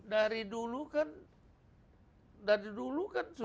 dari dulu kan sudah muncul